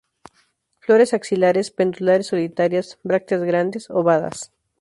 Flores axilares, pendular solitarias; brácteas grandes, ovadas.